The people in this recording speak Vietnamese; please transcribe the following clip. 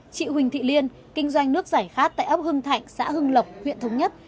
chị huỳnh thị liên kinh doanh nước giải khát tại ấp hưng thạnh xã hưng lộc huyện thống nhất